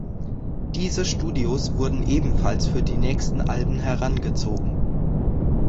Diese Studios wurden ebenfalls für die nächsten Alben herangezogen.